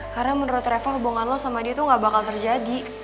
karena menurut reva hubungan lo sama dia tuh gak bakal terjadi